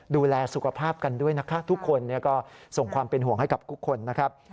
ดูแลสุขภาพกันด้วยนะคะทุกคนก็ส่งความเป็นห่วงให้กับทุกคนนะครับ